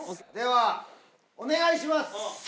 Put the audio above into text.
ではお願いします。